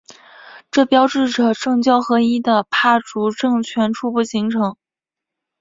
这标志着政教合一的帕竹政权初步形成。